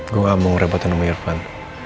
gue gak mau ngerebutin sama mirvan